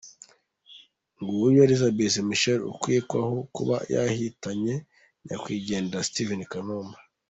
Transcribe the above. Nguyu Elizabeth Michael ukekwaho kuba yahitanye nyakwigendera Steven Kanumba.